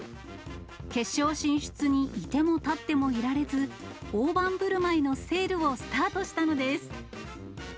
決勝進出にいてもたってもいられず、大盤ぶるまいのセールをスタートしたのです。